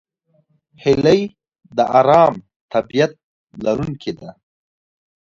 هیلۍ د آرام طبیعت لرونکې ده